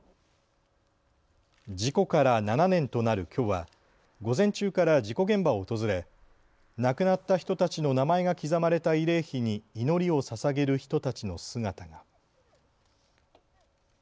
事故から７年となるきょうは午前中から事故現場を訪れ亡くなった人たちの名前が刻まれた慰霊碑に祈りをささげる人たちの姿が。